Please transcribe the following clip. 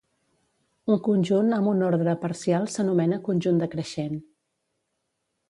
Un conjunt amb un ordre parcial s'anomena conjunt decreixent.